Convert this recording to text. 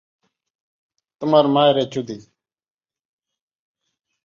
ভবনের নকশা অনুযায়ী নির্মাণ কাজের এখনো অনেকটা বাকি আছে।